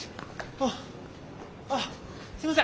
ああっすいません。